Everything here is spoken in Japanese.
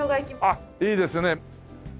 あっいいですね。